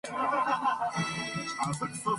From Class One, there is an entrance exam.